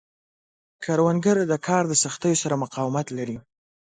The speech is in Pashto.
کروندګر د کار د سختیو سره مقاومت لري